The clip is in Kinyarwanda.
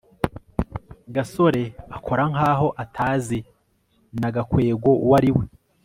gasore akora nkaho atazi na gakwego uwo ari we